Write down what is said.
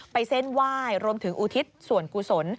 เส้นไหว้รวมถึงอุทิศส่วนกุศล